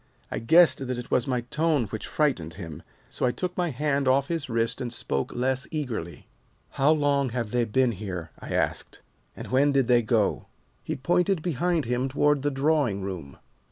"I guessed that it was my tone which frightened him, so I took my hand off his wrist and spoke less eagerly. "'How long have they been here?' I asked, 'and when did they go?' "He pointed behind him toward the drawing room.